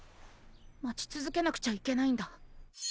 待ち続けなくちゃいけないんだ。